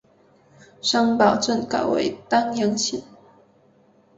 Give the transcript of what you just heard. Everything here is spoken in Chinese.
三堡镇改为丹阳县。